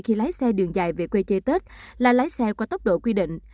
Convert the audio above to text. khi lái xe đường dài về quê chơi tết là lái xe qua tốc độ quy định